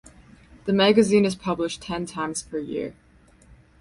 The magazine is published ten times per year.